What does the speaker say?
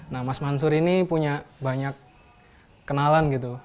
nah mas mansur ini punya banyak kenalan gitu